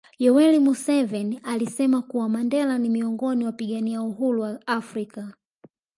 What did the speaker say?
Yoweri Museveni alisema kuwa Mandela ni miongoni wapigania uhuru wa afrika